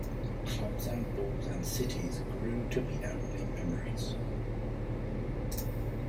Clubs and balls and cities grew to be only memories.